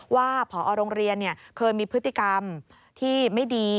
ว่าพอโรงเรียนเนี่ยเคยมีพฤติกรรมที่ไม่ดี